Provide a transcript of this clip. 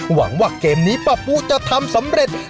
หวังว่าเกมนี้ป้าปูจะทำสำเร็จ